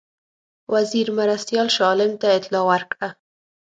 وزیر مرستیال شاه عالم ته اطلاع ورکړه.